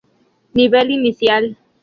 Nivel Inicial.